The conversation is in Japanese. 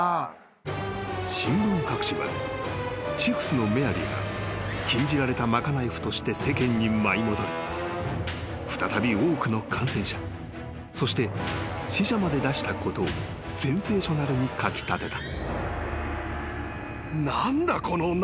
［新聞各紙はチフスのメアリーが禁じられた賄い婦として世間に舞い戻り再び多くの感染者そして死者まで出したことをセンセーショナルにかき立てた］